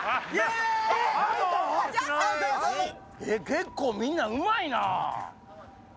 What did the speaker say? ウソや⁉結構みんなうまいな！